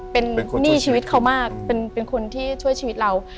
เป็นหนี้ชีวิตเขามากเป็นคนที่ช่วยชีวิตเรา